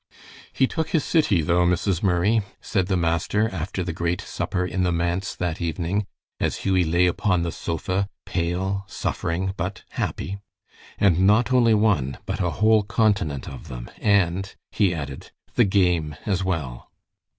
"He took his city, though, Mrs. Murray," said the master, after the great supper in the manse that evening, as Hughie lay upon the sofa, pale, suffering, but happy. "And not only one, but a whole continent of them, and," he added, "the game as well."